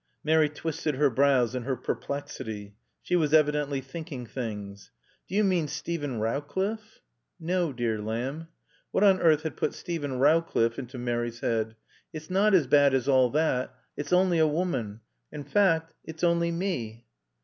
Mary twisted her brows in her perplexity. She was evidently thinking things. "Do you mean Steven Rowcliffe?" "No, dear lamb." (What on earth had put Steven Rowcliffe into Mary's head?) "It's not as bad as all that. It's only a woman. In fact, it's only me."